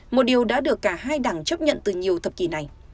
một điều đã được cả hai đảng chấp nhận từ nhiều thập kỷ này